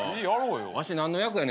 わし何の役やねんな。